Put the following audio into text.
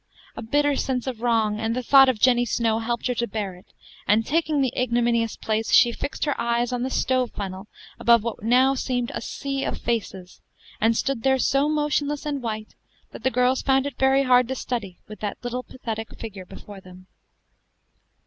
A bitter sense of wrong, and the thought of Jenny Snow, helped her to bear it; and taking the ignominious place, she fixed her eyes on the stove funnel above what now seemed a sea of faces, and stood there so motionless and white, that the girls found it very hard to study, with that pathetic little figure before them.